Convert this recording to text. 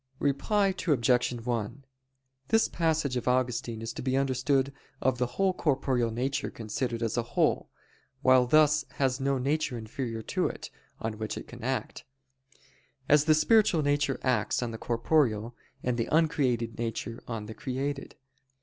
Reply Obj. 1: This passage of Augustine is to be understood of the whole corporeal nature considered as a whole, which thus has no nature inferior to it, on which it can act; as the spiritual nature acts on the corporeal, and the uncreated nature on the created.